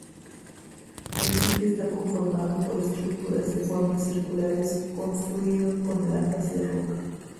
El sitio está conformado por estructuras de forma circulares construido con lajas de roca.